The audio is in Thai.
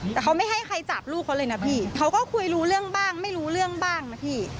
แต่เขาไม่ให้ใครจับลูกเขาเลยนะพี่เขาก็คุยรู้เรื่องบ้างไม่รู้เรื่องบ้างนะพี่